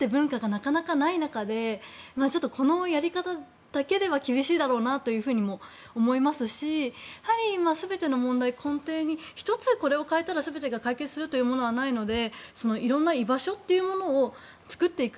なかなかない中でこのやり方だけでは厳しいだろうと思いますし今、全ての問題、根底に１つこれを変えたら解決するという問題はないので色んな居場所っていうものを作っていく。